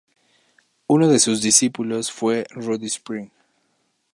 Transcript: Uno de sus discípulos fue Rudi Spring.